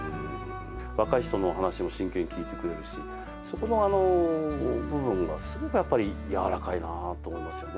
若い人のお話も真剣に聞いてくれるし、そこの部分がすごくやっぱりやわらかいなと思いますよね。